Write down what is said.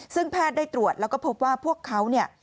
ซึ่งแพทย์ได้ตรวจแล้วก็พบว่าพวกเขาเนี่ย